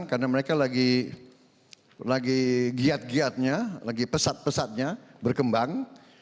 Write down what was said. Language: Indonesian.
karena mereka lagi giat giatnya lagi pesat pesatnya berkembang